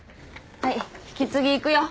はい引き継ぎ行くよ。